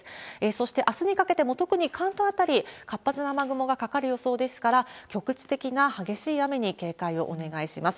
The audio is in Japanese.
そしてあすにかけても特に関東辺り、活発な雨雲がかかる予想ですから、局地的な激しい雨に警戒をお願いします。